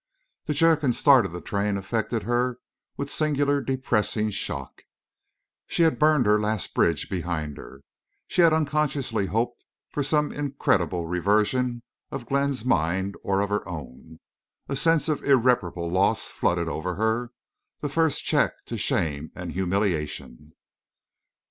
The jerk and start of the train affected her with singular depressing shock. She had burned her last bridge behind her. Had she unconsciously hoped for some incredible reversion of Glenn's mind or of her own? A sense of irreparable loss flooded over her—the first check to shame and humiliation.